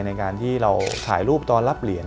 ในการที่เราถ่ายรูปตอนรับเหรียญ